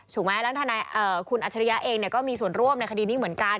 ไหมแล้วทนายคุณอัจฉริยะเองก็มีส่วนร่วมในคดีนี้เหมือนกัน